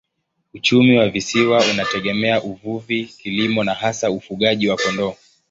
Uchumi wa visiwa unategemea uvuvi, kilimo na hasa ufugaji wa kondoo.